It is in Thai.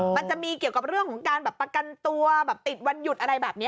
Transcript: มันจะมีเกี่ยวกับเรื่องของการแบบประกันตัวแบบติดวันหยุดอะไรแบบนี้